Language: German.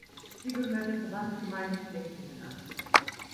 Sie gehört der Verbandsgemeinde Flechtingen an.